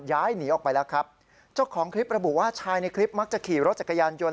ย้ายหนีออกไปแล้วครับเจ้าของคลิประบุว่าชายในคลิปมักจะขี่รถจักรยานยนต